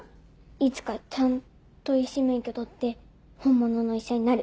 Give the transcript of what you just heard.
いつかちゃんと医師免許取って本物の医者になる。